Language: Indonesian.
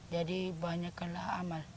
jadi banyaklah amal